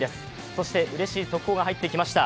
そしてうれしい速報が入ってきました。